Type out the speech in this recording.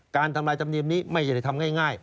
ทำลายธรรมเนียมนี้ไม่ใช่ทำง่าย